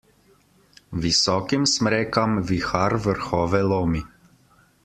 Visokim smrekam vihar vrhove lomi.